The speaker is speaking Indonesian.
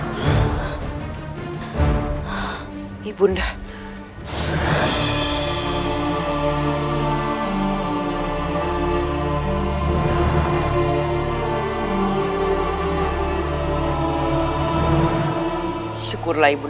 kita bisa pergi bekerja bareng